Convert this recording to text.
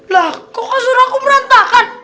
lah kok kasur aku merantahkan